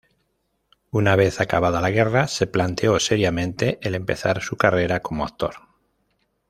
Una vez acabada la guerra, se planteó seriamente el empezar su carrera como actor.